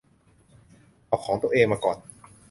เอาของตัวเองมาก่อน